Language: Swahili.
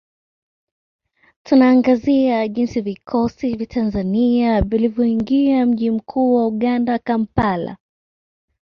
Tunaangazia jinsi vikosi vya Tanzania vilivyoingia mji mkuu wa Uganda Kampala